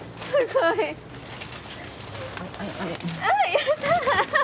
やった！